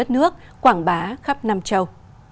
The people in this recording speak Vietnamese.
nước quảng bá khắp nam châu